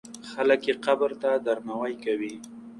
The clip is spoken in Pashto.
خلک یې قبر ته درناوی کوي.